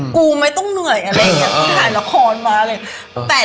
กูไม่ต้องเหนื่อยอ่ะอย่างสิผ่านละครมา